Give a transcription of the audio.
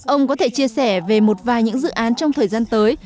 ông có thể chia sẻ về một vài những dự án trong thời gian tới